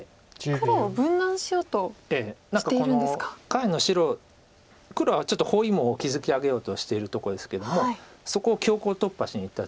下辺の白黒はちょっと包囲網を築き上げようとしているとこですけどもそこを強行突破しにいった手です。